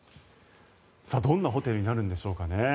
どんなホテルになるんでしょうかね。